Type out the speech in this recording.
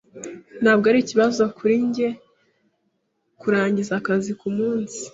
Ntabwo ari ikibazo kuri njye kurangiza akazi kumunsi.